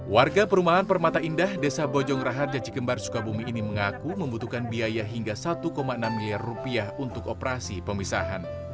warga perumahan permata indah desa bojong rahar jaci kembar sukabumi ini mengaku membutuhkan biaya hingga satu enam miliar rupiah untuk operasi pemisahan